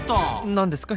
何ですか？